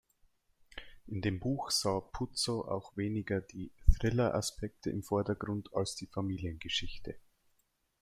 In dem Buch sah Puzo auch weniger die Thriller-Aspekte im Vordergrund als die Familiengeschichte.